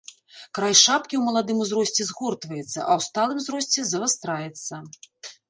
Край шапкі ў маладым узросце згортваецца, а ў сталым узросце завастраецца.